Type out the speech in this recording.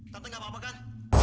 tante gak bawa gun